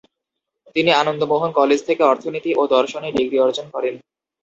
তিনি আনন্দ মোহন কলেজ থেকে অর্থনীতি ও দর্শনে ডিগ্রি অর্জন করেন।